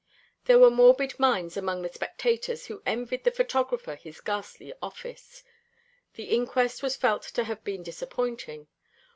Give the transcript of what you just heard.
There were morbid minds among the spectators who envied the photographer his ghastly office. The inquest was felt to have been disappointing.